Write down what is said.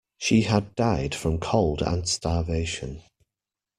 She had died from cold and starvation.